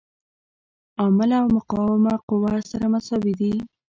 عامله او مقاومه قوه سره مساوي دي.